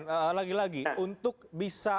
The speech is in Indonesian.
lagi lagi untuk bisa